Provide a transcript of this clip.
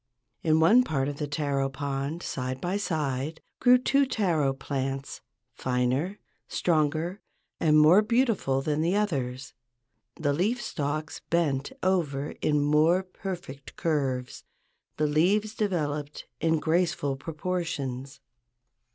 In one part of the taro pond, side by side, grew two taro plants—finer, stronger, and more beautiful than the others. The leaf stalks bent over in more perfect curves: the leaves developed in graceful proportions.